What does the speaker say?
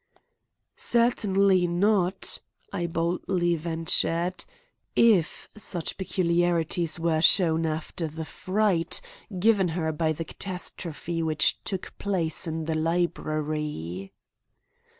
"Certainly not," I boldly ventured; "if such peculiarities were shown after the fright given her by the catastrophe which took place in the library."